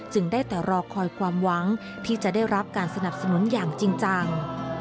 ได้แต่รอคอยความหวังที่จะได้รับการสนับสนุนอย่างจริงจัง